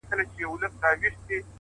زما خو زړه دی زما ځان دی څه پردی نه دی؛